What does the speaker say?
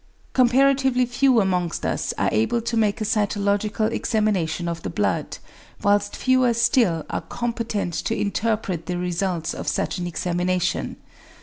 Comparatively few amongst us are able to make a cytological examination of the blood, whilst fewer still are competent to interpret the results of such an examination.